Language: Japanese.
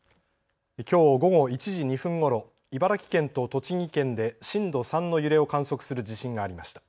きょう午後１時２分ごろ茨城県と栃木県で震度３の揺れを観測する地震がありました。